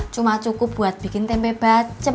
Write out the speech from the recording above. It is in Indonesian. cuma cukup buat bikin tempe bacem